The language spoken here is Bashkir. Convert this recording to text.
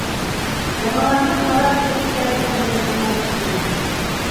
— Заманаһына ҡарап эш итә ул беҙҙең Имаметдин.